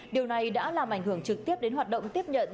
điều này đã làm ảnh hưởng trực tiếp đến hoạt động tiếp nhận